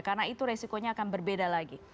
karena itu resikonya akan berbeda lagi